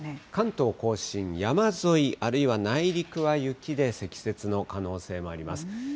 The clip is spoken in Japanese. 関東甲信、山沿い、あるいは内陸は雪で、積雪の可能性もあります。